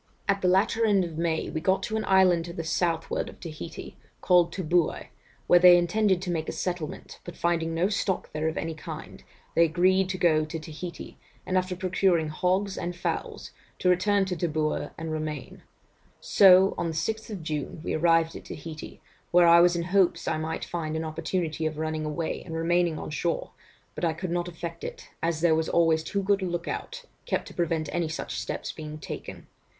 'At the latter end of May, we got to an island to the southward of Taheité, called Tooboui, where they intended to make a settlement, but finding no stock there of any kind, they agreed to go to Taheité, and, after procuring hogs and fowls, to return to Tooboui and remain. So, on the 6th June, we arrived at Taheité, where I was in hopes I might find an opportunity of running away, and remaining on shore, but I could not effect it, as there was always too good a look out kept to prevent any such steps being taken.